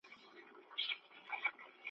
هم یې ماڼۍ وې تر نورو جګي `